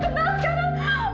kamu terkenal sekarang